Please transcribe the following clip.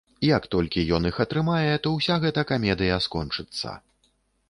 Як толькі ён іх атрымае, то ўся гэта камедыя скончыцца.